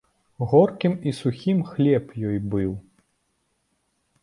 Горкім і сухім хлеб ёй быў.